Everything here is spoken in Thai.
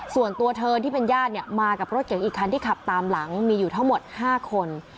ส่วนตัวเธอที่เป็นญาติเนี่ยมากับรถเก๋งอีกคันที่ขับตามหลังมีอยู่ทั้งหมด๕คน